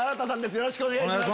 よろしくお願いします。